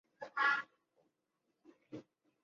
稀花勿忘草为紫草科勿忘草属的植物。